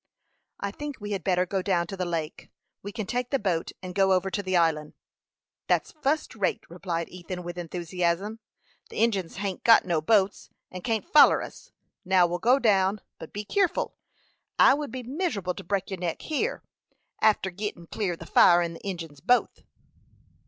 "I think we had better go down to the lake. We can take the boat and go over to the island." "That's fust rate," replied Ethan, with enthusiasm. "The Injins hain't got no boats, and can't foller us. Now we'll go down; but be keerful. It would be miser'ble to break your neck here, arter gittin' clear of the fire and the Injins both."